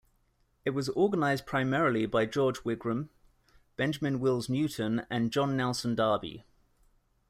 It was organised primarily by George Wigram, Benjamin Wills Newton, and John Nelson Darby.